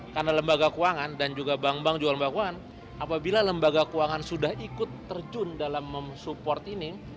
karena lembaga keuangan dan juga bank bank juga lembaga keuangan apabila lembaga keuangan sudah ikut terjun dalam support ini